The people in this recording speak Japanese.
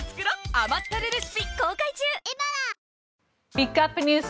ピックアップＮＥＷＳ